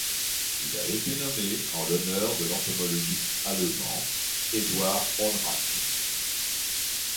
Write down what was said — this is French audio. Il a été nommé en l'honneur de l'entomologiste allemand Eduard Honrath.